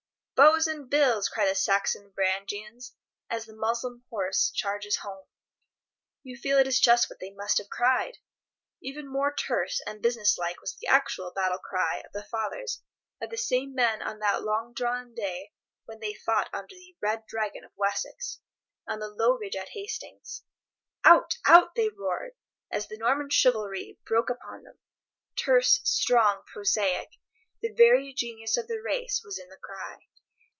"Bows and Bills!" cry the Saxon Varangians, as the Moslem horse charges home. You feel it is just what they must have cried. Even more terse and businesslike was the actual battle cry of the fathers of the same men on that long drawn day when they fought under the "Red Dragon of Wessex" on the low ridge at Hastings. "Out! Out!" they roared, as the Norman chivalry broke upon them. Terse, strong, prosaic—the very genius of the race was in the cry.